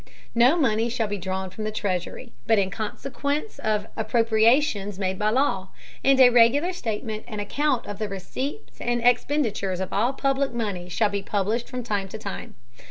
No Money shall be drawn from the Treasury, but in Consequence of Appropriations made by Law; and a regular Statement and Account of the Receipts and Expenditures of all public Money shall be published from time to time.